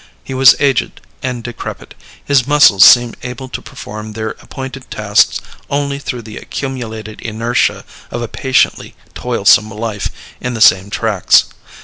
He was aged and decrepit; his muscles seemed able to perform their appointed tasks only through the accumulated inertia of a patiently toilsome life in the same tracks.